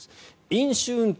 飲酒運転。